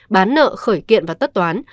bán nợ khởi kiện và tất toán